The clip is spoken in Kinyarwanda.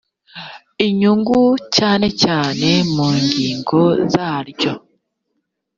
inyungu cyane cyane mu ngingo zaryo